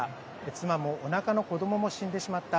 妻もおなかの子どもも死んでしまった。